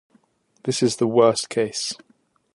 This is the "worst case".